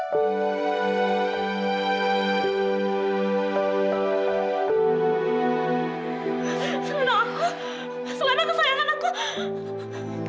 selain aku selain kesayangan aku